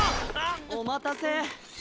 お待たせ。